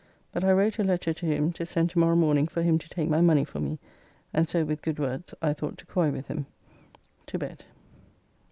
But I wrote a letter to him to send to morrow morning for him to take my money for me, and so with good words I thought to coy with him. To bed.